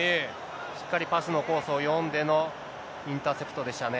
しっかりパスのコースを読んでのインターセプトでしたね。